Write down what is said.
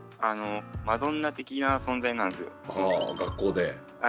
マドンナ的な存在なんすよ。はあ学校で。